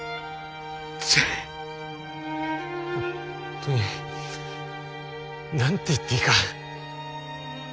本当に何て言っていいか。